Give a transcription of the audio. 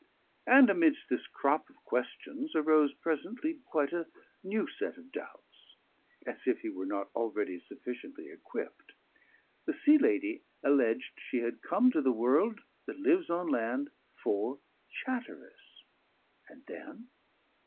And amidst this crop of questions arose presently quite a new set of doubts, as if he were not already sufficiently equipped. The Sea Lady alleged she had come to the world that lives on land, for Chatteris. And then